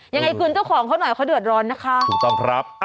ยังไงคุณเจ้าของเขาหน่อยเขาเดือดร้อนนะคะ